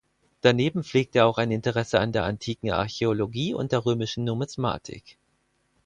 Daneben pflegt er auch ein Interesse an der antiken Archäologie und der römischen Numismatik.